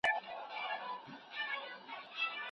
سياست به د وخت په تېرېدو نور هم علمي سي.